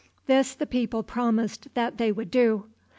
This the people promised that they would do.